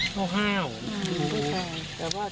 ปฎิตัด